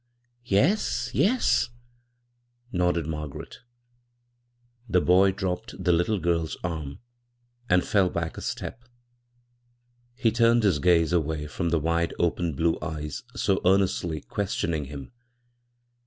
"" Yes, yes," nodded Margaret The boy dropped the little girl's arm and fell back a step. He turned his gaze away from the widenDpen blue eyes so eamestiy questioning him.